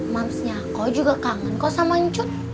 mamsnya aku juga kangen kau sama ncut